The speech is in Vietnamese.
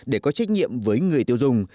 để có trách nhiệm với người tiêu dùng